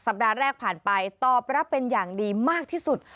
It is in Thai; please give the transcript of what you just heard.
ปัดแรกผ่านไปตอบรับเป็นอย่างดีมากที่สุด